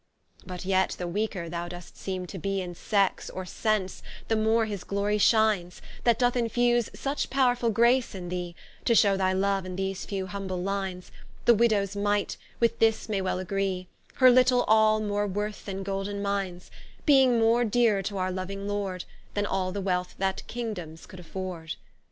But yet the Weaker thou dost seeme to be In Sexe, or Sence, the more his Glory shines, That doth infuze such powrefull Grace in thee, To shew thy Love in these few humble Lines; The Widowes Myte, with this may well agree, Her litlle All more worth than golden mynes, Beeing more deerer to our loving Lord, Than all the wealth that Kingdoms could afford.